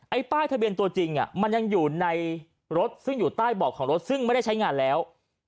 ป้ายทะเบียนตัวจริงมันยังอยู่ในรถซึ่งอยู่ใต้เบาะของรถซึ่งไม่ได้ใช้งานแล้ว